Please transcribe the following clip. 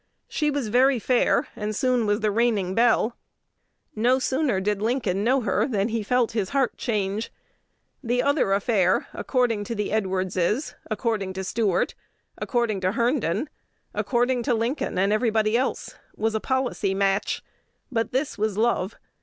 She was very fair, and soon was the reigning belle. No sooner did Lincoln know her than he felt his heart change. The other affair, according to the Edwardses, according to Stuart, according to Herndon, according to Lincoln and everybody else, was a "policy match;" but this was love.